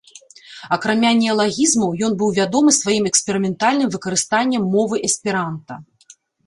Акрамя неалагізмаў, ён быў вядомы сваім эксперыментальным выкарыстаннем мовы эсперанта.